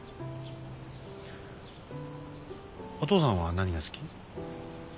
お父さんは何が好き？